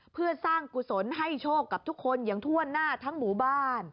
เพื่อสร้างกุศลให้โชคกับทุกคนอย่างทั่วหน้าทั้งหมู่บ้าน